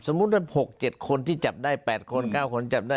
สมมุติว่า๖๗คนที่จับได้๘คน๙คนจับได้